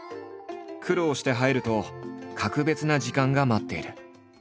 苦労して入ると格別な時間が待っている。